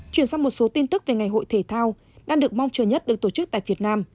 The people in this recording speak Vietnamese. chuyển sang một số tin tức về ngày hội thể thao đang được mong chờ nhất được tổ chức tại việt nam